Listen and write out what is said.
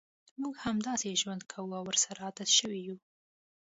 موږ همداسې ژوند کوو او ورسره عادت شوي یوو.